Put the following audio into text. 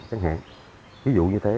chẳng hạn ví dụ như thế